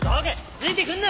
ついてくんな！